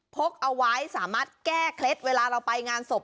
กเอาไว้สามารถแก้เคล็ดเวลาเราไปงานศพ